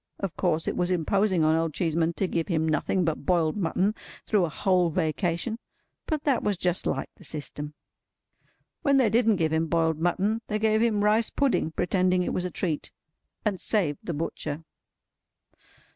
Of course it was imposing on Old Cheeseman to give him nothing but boiled mutton through a whole Vacation, but that was just like the system. When they didn't give him boiled mutton, they gave him rice pudding, pretending it was a treat. And saved the butcher.